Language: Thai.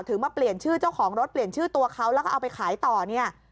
มาเปลี่ยนชื่อเจ้าของรถเปลี่ยนชื่อตัวเขาแล้วก็เอาไปขายต่อเนี่ย